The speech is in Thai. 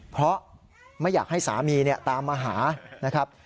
เพราะไม่อยากให้สามีตามมาหานะครับ